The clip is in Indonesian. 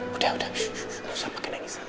sudah sudah gak usah panggil nangis